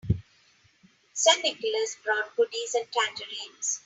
St. Nicholas brought goodies and tangerines.